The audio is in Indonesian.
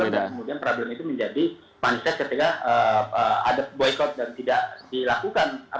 kemudian peradilan itu menjadi mindset ketika ada boykot dan tidak dilakukan